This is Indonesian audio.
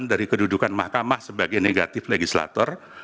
dari kedudukan mahkamah sebagai negatif legislator